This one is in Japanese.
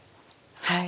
はい。